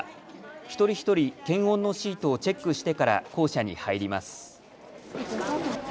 一人一人、検温のシートをチェックしてから校舎に入ります。